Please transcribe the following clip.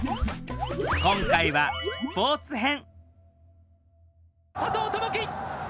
今回はスポーツ編。